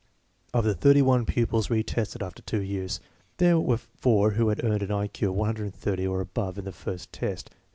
Of the thirty one pupils re tested after two years, there were four who had earned an I Q of 130 or above in the first test.